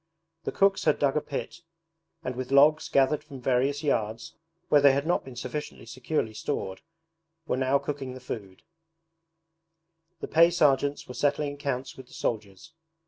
The cooks had dug a pit, and with logs gathered from various yards (where they had not been sufficiently securely stored) were now cooking the food; the pay sergeants were settling accounts with the soldiers.